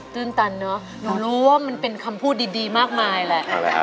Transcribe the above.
ตื่นตันเนอะหนูรู้ว่ามันเป็นคำพูดดีมากมายแหละ